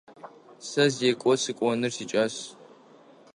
Сэ зекӏо сыкӏоныр сикӏас.